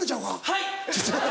はい！